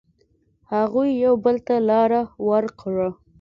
هغوی یو بل ته لاره ورکړه.